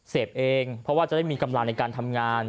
เสพเองเพราะว่าจะได้มีกำลังในการทำงาน